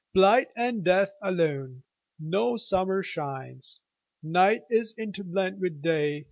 Blight and death alone.No summer shines. Night is interblent with Day.